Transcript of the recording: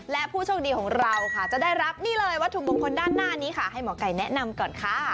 และผู้โชคดีของเราค่ะจะได้รับนี่เลยวัตถุมงคลด้านหน้านี้ค่ะให้หมอไก่แนะนำก่อนค่ะ